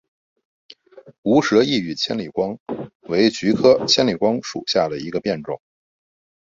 无舌异羽千里光为菊科千里光属下的一个变种。